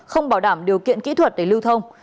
không bảo đảm điều kiện kỹ thuật để lưu thông